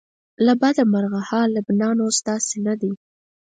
له بده مرغه هغه لبنان اوس داسې نه دی.